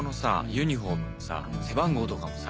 ユニホームのさ背番号とかもさ。